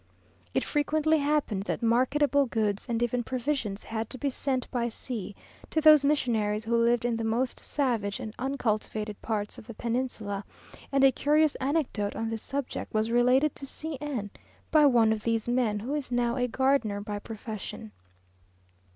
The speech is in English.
It frequently happened that marketable goods and even provisions had to be sent by sea to those missionaries who lived in the most savage and uncultivated parts of the peninsula; and a curious anecdote on this subject was related to C n by one of these men, who is now a gardener by profession.